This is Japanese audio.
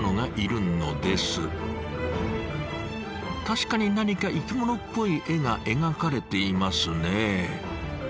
確かに何か生きものっぽい絵が描かれていますね。